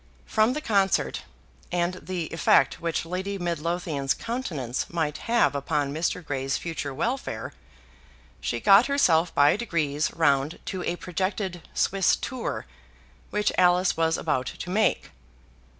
From the concert, and the effect which Lady Midlothian's countenance might have upon Mr. Grey's future welfare, she got herself by degrees round to a projected Swiss tour which Alice was about to make.